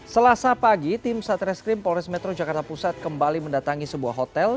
selasa pagi tim satreskrim polres metro jakarta pusat kembali mendatangi sebuah hotel